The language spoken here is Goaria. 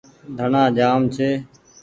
ڌڻآ جآم ڇي۔